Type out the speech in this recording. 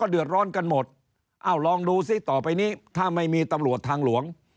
เอ้าลองดูสิต่อไปนี้ถ้าไม่มีตำรวจทางหลวง